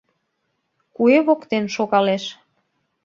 Куэ воктен шогалеш...